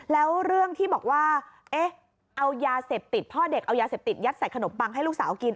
แล้วเรื่องที่บอกว่าเอ๊ะเอายาเสพติดพ่อเด็กเอายาเสพติดยัดใส่ขนมปังให้ลูกสาวกิน